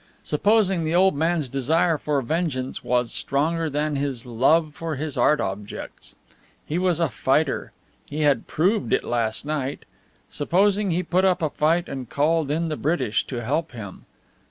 Supposing the old man's desire for vengeance was stronger than his love for his art objects? He was a fighter; he had proved it last night. Supposing he put up a fight and called in the British to help him?